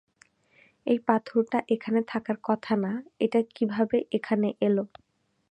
এই পাথরটা এখানে থাকার কথা না, এটা কীভাবে এখানে এলো?